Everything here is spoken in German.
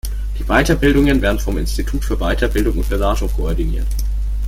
Die Weiterbildungen werden vom Institut für Weiterbildung und Beratung koordiniert.